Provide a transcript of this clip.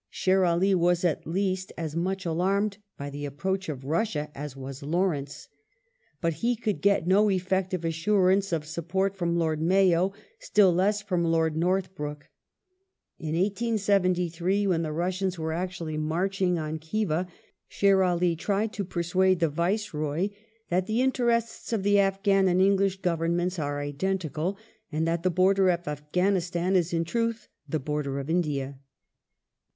Sher Ali was at least as much alarmed by the approach of Russia as was Lawrence. But he could get no effective assurance of support from Lord Mayo : still less from Lord Northbrook. In 1873 when the Russians were actually marching on Khiva, Sher Ali tried to persuade the Viceroy that *' the interests of the Afghan and English Governments are identical," and that "the border of Afghanistan is in truth the border of India